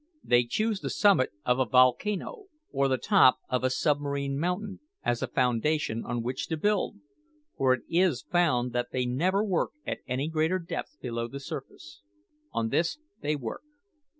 They choose the summit of a volcano, or the top of a submarine mountain, as a foundation on which to build, for it is found that they never work at any great depth below the surface. On this they work.